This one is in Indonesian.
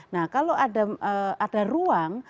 nah kalau ada ruang